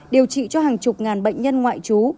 điều trị cho hàng chục ngàn bệnh nhân ngoại trú